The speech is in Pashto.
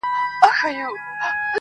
یو پاچا د پښتنو چي ډېر هوښیار وو٫